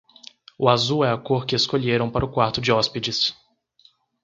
O azul é a cor que escolheram para o quarto de hóspedes.